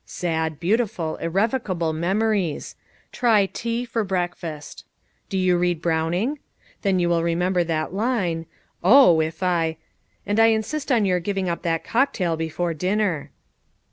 "Sad, beautiful, irrevocable memories try tea for breakfast do you read Browning? Then you will remember that line: 'Oh, if I ' And I insist on your giving up that cocktail before dinner."